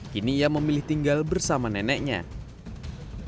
kini ia mencari teman yang lebih dekat